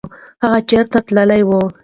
هغه چېرته تللی و؟